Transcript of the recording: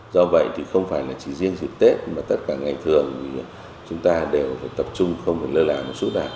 do vậy thì không phải chỉ riêng dịp tết mà tất cả ngành thường chúng ta đều tập trung không phải lơ lá một số đoạn